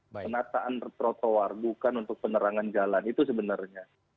penataan trotoar bukan untuk penerangan jalan itu sebenarnya